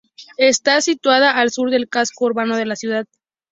Está situada al sur del casco urbano de la ciudad.